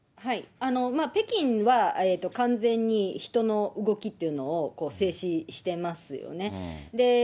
北京は、完全に人の動きっていうのを制止してますよね。